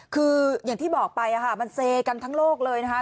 คืออย่างที่บอกไปมันเซกันทั้งโลกเลยนะคะ